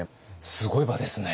すごい場ですね。